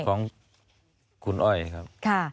ของคุณอ้อยครับ